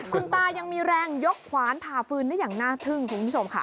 คุณตายังมีแรงยกขวานผ่าฟืนได้อย่างน่าทึ่งคุณผู้ชมค่ะ